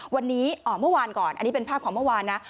วันนี้เมื่อวานก่อนอันนี้เป็นภาพของเมื่อวานนะ